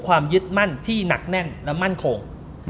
ความยึดมั่นที่หนักแน่งและมั่นโค่ง